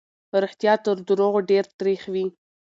رښتيا تر دروغو ډېر تريخ وي.